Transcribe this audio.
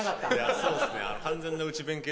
そうですね。